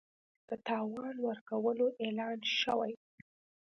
د تاوان ورکولو اعلان شوی